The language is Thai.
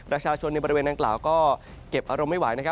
ประชาชนในบริเวณดังกล่าวก็เก็บอารมณ์ไม่ไหว